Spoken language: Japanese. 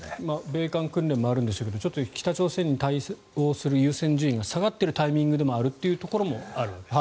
米韓訓練もあるんでしょうが北朝鮮に対応する優先順位が下がっているタイミングでもあるというところでもあると。